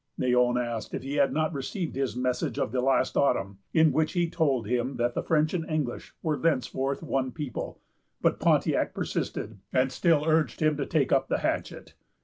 Neyon asked if he had not received his message of the last autumn, in which he told him that the French and English were thenceforth one people; but Pontiac persisted, and still urged him to take up the hatchet.